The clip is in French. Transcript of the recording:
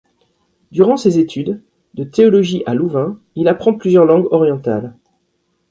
Durant ses études de théologie à Louvain, il apprend plusieurs langues orientales.